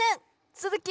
つづき